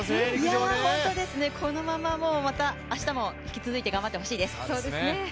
このまま、あしたも引き続いて頑張ってほしいです。